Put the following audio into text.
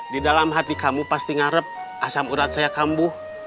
di dalam hati kamu pasti ngarep asam urat saya kambuh